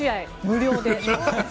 無料で。